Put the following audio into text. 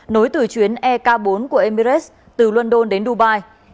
nối từ chuyến ek bốn của emirates từ london đến dubai